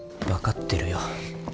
分かってるよ。